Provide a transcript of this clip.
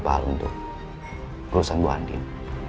pak alun untuk urusan bu andien